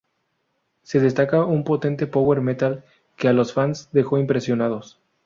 Se destaca un potente Power Metal, que a los fanes dejó impresionados.